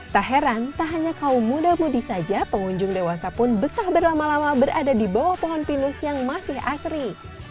tak heran tak hanya kaum muda mudi saja pengunjung dewasa pun betah berlama lama berada di bawah pohon pinus yang masih asri